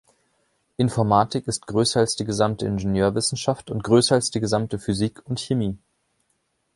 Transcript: Informatik ist größer als die gesamte Ingenieurwissenschaft und größer als die gesamte Physik und Chemie.